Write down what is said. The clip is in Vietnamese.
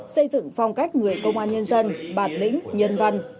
xây dựng phong cách người công an nhân dân bản lĩnh nhân văn